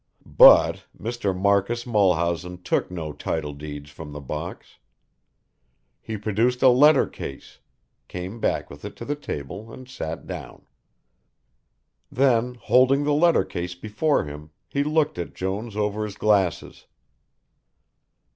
But Mr. Marcus Mulhausen took no title deeds from the box. He produced a letter case, came back with it to the table, and sat down. Then holding the letter case before him he looked at Jones over his glasses.